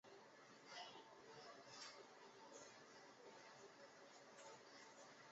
后官任浙江德清知县。